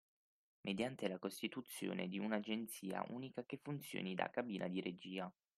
Mediante la costituzione di un’agenzia unica che funzioni da cabina di regia